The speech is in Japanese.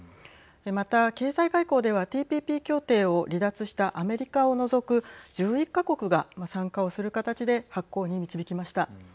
また、経済外交ではＴＰＰ協定を離脱したアメリカを除く１１か国が参加をする形で発効に導きました。